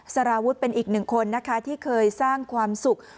สารวุฒิเป็นอีกหนึ่งคนนะคะที่เคยสร้างความสุข